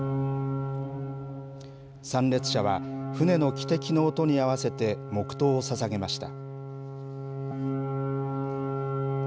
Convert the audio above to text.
参列者は、船の汽笛の音に合わせて黙とうをささげました。